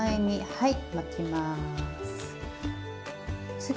はい。